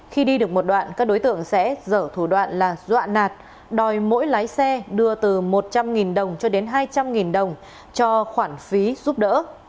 khi đi được một đoạn các đối tượng sẽ dở thủ đoạn là dọa nạt đòi mỗi lái xe đưa từ một trăm linh đồng cho đến hai trăm linh đồng cho khoản phí giúp đỡ